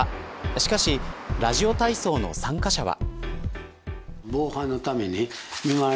しかしラジオ体操の参加者は。